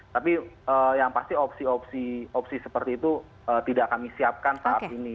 tapi yang pasti opsi opsi opsi seperti itu tidak kami siapkan saat ini